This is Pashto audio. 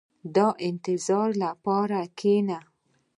• د انتظار لپاره کښېنه.